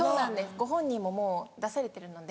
ご本人ももう出されてるので。